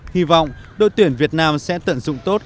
hy vọng đội tuyển việt nam sẽ tận dụng tốt